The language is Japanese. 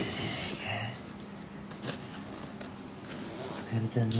「疲れたね。